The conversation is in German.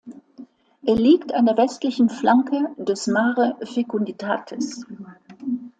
Er liegt an der westlichen Flanke des Mare Fecunditatis.